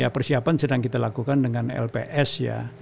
persiapan sedang kita lakukan dengan lps ya